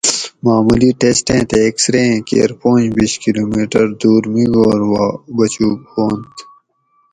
معمولی ٹیسٹیں تے ایکسرے ایں کیر پنج بِیش کلومیٹر دور منگور وا بچوگ ہُوانت